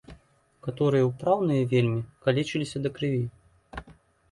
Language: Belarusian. Каторыя ўпраўныя вельмі, калечыліся да крыві.